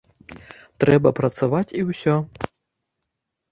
Трэба працаваць і ўсё!